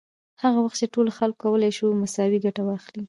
هغه وخت ټولو خلکو کولای شوای مساوي ګټه واخلي.